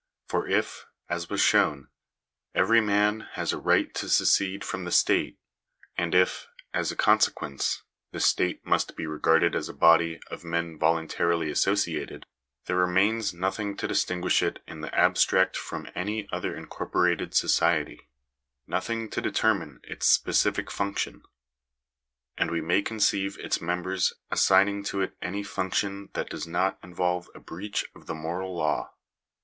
For if, as was shown, every man has a right to secede from the state, and if, as a consequence, the state must be regarded as a body of men voluntarily associated, there remains nothing to distinguish it in the abstract from any other incorporated society — nothing to determine its specific function ; and we may conceive its members assigning to it any function that does not involve a breach of the moral law.